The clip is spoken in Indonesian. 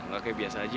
kakek biasa aja